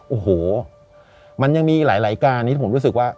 โอ้โหมันยังมีหลายการที่ผมรู้สึกว่า